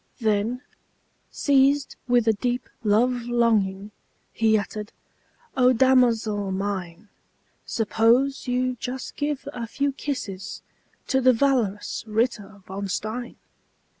Then, seized with a deep love longing, He uttered, "O damosel mine, Suppose you just give a few kisses To the valorous Ritter von Stein!"